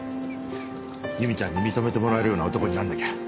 由美ちゃんに認めてもらえるような男にならなきゃ。